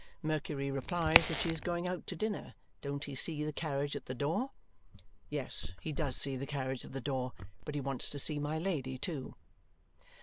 Mercury replies that she is going out to dinner; don't he see the carriage at the door? Yes, he does see the carriage at the door; but he wants to see my Lady too.